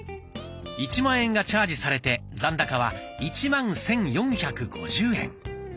１万円がチャージされて残高は１万１，４５０円。